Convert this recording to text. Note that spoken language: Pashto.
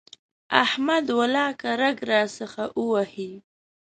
احمد ولاکه رګ راڅخه ووهي.